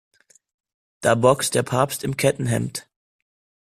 Da boxt der Papst im Kettenhemd.